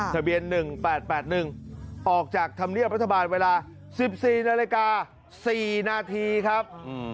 ทะเบียน๑๘๘๑ออกจากธรรมเนียบรัฐบาลเวลา๑๔นาฬิกา๔นาทีครับ